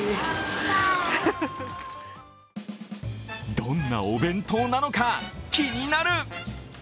どんなお弁当なのか、気になる。